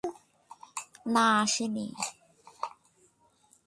না, আসিনি।